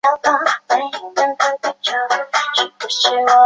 楼桃斜街是位于北京市西城区南部的一条胡同。